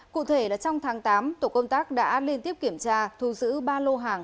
cụ thể là trong tháng tám tổ công tác đã liên tiếp kiểm tra thu giữ ba lô hàng